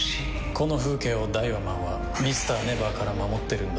この風景をダイワマンはＭｒ．ＮＥＶＥＲから守ってるんだ。